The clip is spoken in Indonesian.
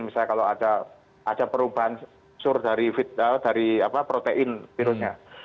misalnya kalau ada perubahan sur dari protein virusnya